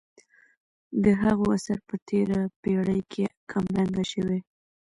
د هغو اثر په تېره پېړۍ کې کم رنګه شوی.